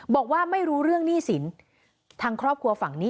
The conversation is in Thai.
บอกว่าไม่รู้เรื่องหนี้สินทางครอบครัวฝั่งนี้